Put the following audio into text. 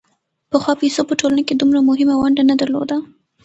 پخوا پیسو په ټولنه کې دومره مهمه ونډه نه درلوده